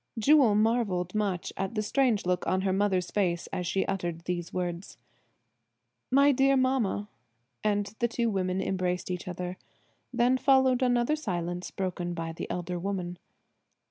Jewel marvelled much at the strange look on her mother's face as she uttered these words. "My dear mamma!" and the two women embraced each other. Then followed another silence broken by the elder woman.